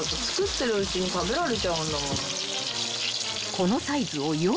［このサイズを４枚］